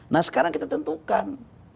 nah sekarang kita tentukan